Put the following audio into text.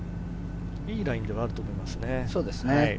いいラインではあると思いますね。